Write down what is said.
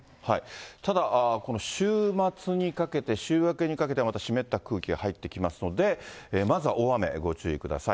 ただこの週末にかけて、週明けにかけてはまた湿った空気が入ってきますので、まずは大雨ご注意ください。